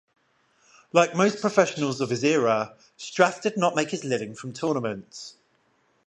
Like most professionals of his era Strath did not make his living from tournaments.